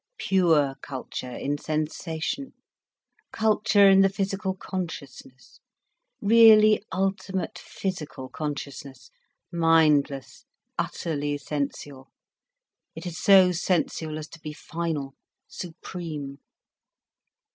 "Pure culture in sensation, culture in the physical consciousness, really ultimate physical consciousness, mindless, utterly sensual. It is so sensual as to be final, supreme."